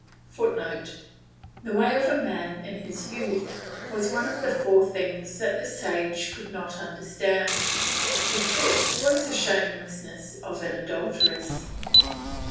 [Footnote: The way of a man in his youth was one of the four things that the sage could not understand; the fifth was the shamelessness of an adulteress.